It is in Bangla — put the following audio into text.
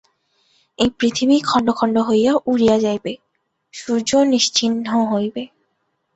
এই পৃথিবী খণ্ড খণ্ড হইয়া উড়িয়া যাইবে, সূর্য নিশ্চিহ্ন হইবে।